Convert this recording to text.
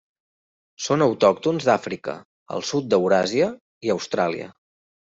Són autòctons d'Àfrica, el sud d'Euràsia i Austràlia.